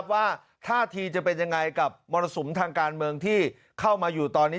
ว่าท่าทีจะเป็นยังไงกับมรสุมทางการเมืองที่เข้ามาอยู่ตอนนี้